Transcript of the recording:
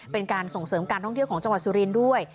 เป็นการส่งเสริมการท่องเที่ยวของจังหวัดสุรินทร์ด้วย